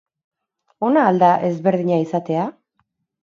Ona al da ezberdina izatea?